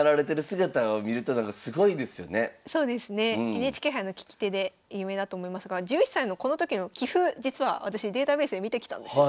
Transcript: ＮＨＫ杯の聞き手で有名だと思いますが１１歳のこの時の棋譜実は私データベースで見てきたんですよ。